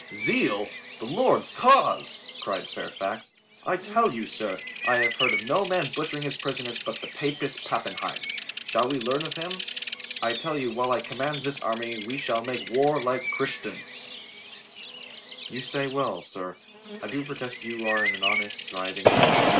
"Zeal! The Lord's cause!" cried Fairfax. "I tell you, sir, I have heard of no man butchering his prisoners but the Papist Pappenheim. Shall we learn of him? I tell you while I command this army we shall make war like Christians." Cromwell leaned his head on his hand. "You say well, sir. I do protest you are in an honest, thriving way.